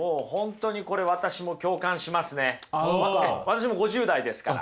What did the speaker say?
私も５０代ですから。